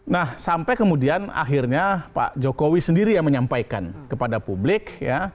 nah sampai kemudian akhirnya pak jokowi sendiri yang menyampaikan kepada publik